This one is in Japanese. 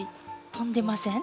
とんでません？